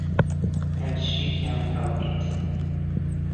And she can’t help it.